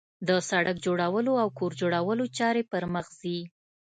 د سړک جوړولو او کور جوړولو چارې پرمخ ځي